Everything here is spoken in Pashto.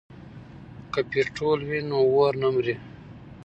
که پټرول وي نو اور نه مري.